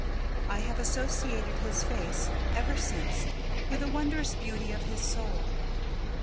I have associated his face ever since with the wondrous beauty of his soul.